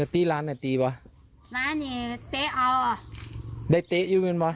พี่เป็นหยาบาปะ